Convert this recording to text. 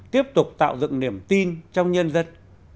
tiếp tục tạo dựng niềm tin trong nhân dân